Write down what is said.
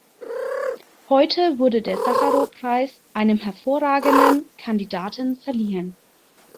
Heute wurde der Sacharow-Preis einem hervorragenden Kandidaten verliehen.